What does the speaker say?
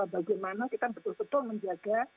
bagaimana kita betul betul menjaga